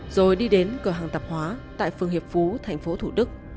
rồi đi đến cửa hàng tập hóa tại phương hiệp phú thành phố thủ đức